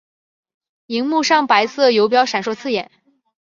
萤幕上白色游标闪烁刺眼